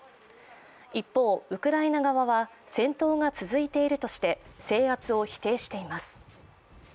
一方、ウクライナ軍は戦闘が続いているとして制圧を否定しています。